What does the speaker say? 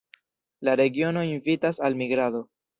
La regiono invitas al migrado.